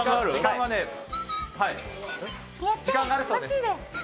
時間があるそうです。